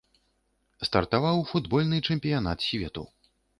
Стартаваў футбольны чэмпіянат свету.